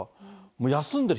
もう休んでる